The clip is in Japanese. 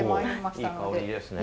いい香りですね！